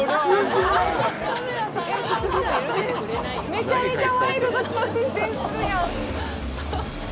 めちゃめちゃワイルドな運転するやん。